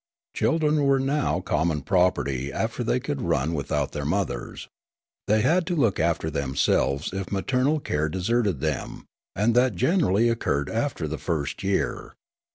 Children were now common property after they could run with out their mothers. The)' had to look after themselves if maternal care deserted them, and that generally occurred after the first year.